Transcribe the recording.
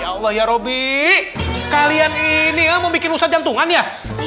ya allah ya roby kalian ini mau bikin ustaz jantungan ya